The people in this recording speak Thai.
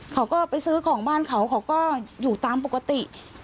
เขาก็ไปซื้อของบ้านเขาเขาก็อยู่ตามปกติ